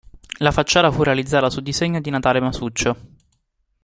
La facciata fu realizzata su disegno di Natale Masuccio.